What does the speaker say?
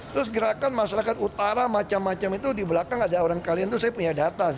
terus gerakan masyarakat utara macam macam itu di belakang ada orang kalian itu saya punya data